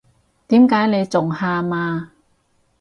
點解你仲喊呀？